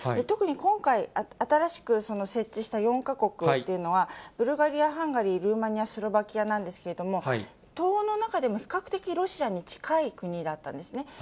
特に今回新しく設置した４か国っていうのは、ブルガリア、ハンガリー、ルーマニア、スロバキアなんですけれども、東欧の中でも比較的ロシアに近い国だったんですね。